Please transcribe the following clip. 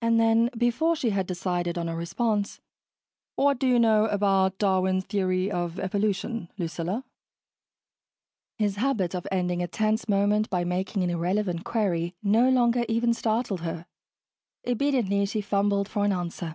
And then, before she had decided on a response, "What do you know about Darwin's theory of evolution, Lucilla?" His habit of ending a tense moment by making an irrelevant query no longer even startled her. Obediently, she fumbled for an answer.